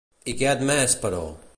I què ha admès, però?